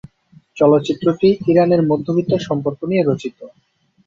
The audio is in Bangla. চলচ্চিত্রটি ইরানের মধ্যবিত্ত সম্পর্ক নিয়ে রচিত।